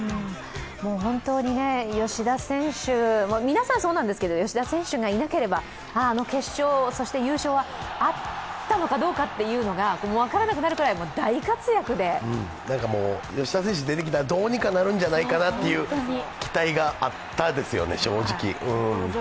本当に、皆さんそうなんですけど吉田選手がいなければあの決勝、そして優勝はあったのかどうかというのが分からなくなるくらい大活躍で、吉田選手が出てきたらどうにかなるんじゃないかなという期待がありましたよね。